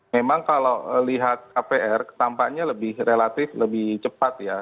memang kalau lihat kpr tampaknya lebih relatif lebih cepat ya